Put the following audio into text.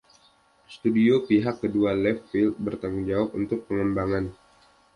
Studio pihak kedua Left Field bertanggung jawab untuk pengembangan.